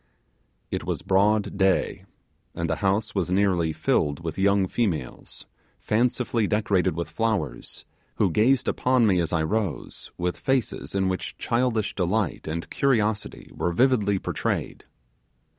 It was broad day; and the house was nearly filled with young females, fancifully decorated with flowers, who gazed upon me as I rose with faces in which childish delight and curiosity were vividly portrayed.